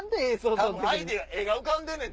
アイデア画が浮かんでんねん。